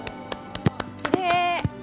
きれい！